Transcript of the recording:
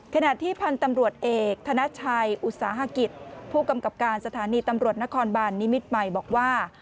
ขณะที่พันธุ์ตำรวจเอกธนชัยอุตสาหกิจผู้กำกับการสถานีตำรวจนครบานนิมิตรใหม่บอกว่า